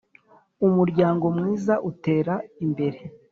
Umuryango mwiza utera imbere